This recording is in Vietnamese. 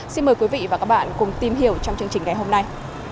xin mời quý vị và các bạn cùng tìm hiểu trong chương trình ngày hôm nay